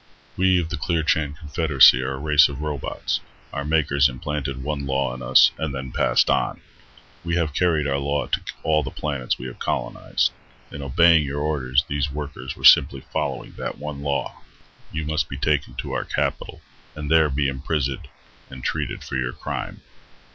"We of the Clearchan Confederacy are a race of robots. Our makers implanted one law in us, and then passed on. We have carried our law to all the planets we have colonized. In obeying your orders, these workers were simply following that one law. You must be taken to our capital, and there be imprisoned and treated for your crime."